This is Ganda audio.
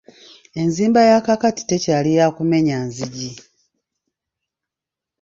Enzimba ya kaakati tekyali yakumenya nzigi.